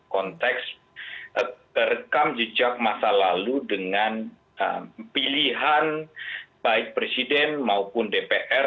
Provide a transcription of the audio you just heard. konteks rekam jejak masa lalu dengan pilihan baik presiden maupun dpr